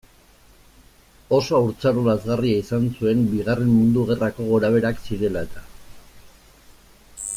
Oso haurtzaro lazgarria izan zuen, Bigarren Mundu Gerrako gorabeherak zirela-eta.